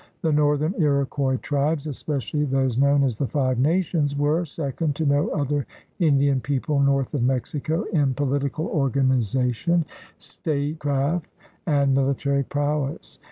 The northern Iro quois tribes, especially those known as the Five Nations, were second to no other Indian people north of Mexico in political organization, state THE RED MAN IN AMERICA 159 craft, and military prowess.